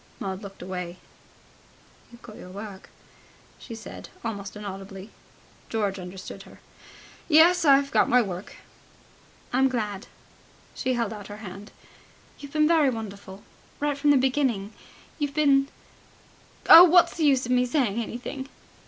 Maud looked away. "You've got your work," she said almost inaudibly. George understood her. "Yes, I've got my work." "I'm glad." She held out her hand. "You've been very wonderful... Right from the beginning ... You've been ... oh, what's the use of me saying anything?"